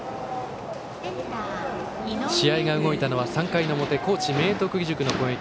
試合が動いたのは３回の表高知・明徳義塾の攻撃。